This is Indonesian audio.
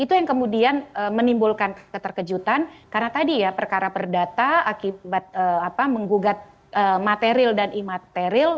itu yang kemudian menimbulkan keterkejutan karena tadi ya perkara perdata akibat menggugat material dan imaterial